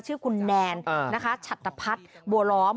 ชื่อคุณแนนชัตรพัฒน์บัวล้อม